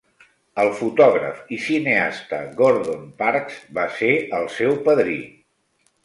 El fotògraf i cineasta Gordon Parks va ser el seu padrí.